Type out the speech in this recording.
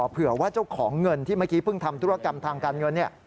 เผื่อว่าเจ้าของเงินที่เมื่อกี้เพิ่งทำธุรกรรมทางการเงิน